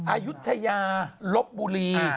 อายุทยาลบบุรี